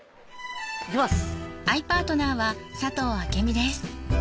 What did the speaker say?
行きます！